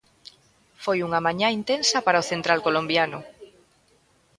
Foi unha mañá intensa para o central colombiano.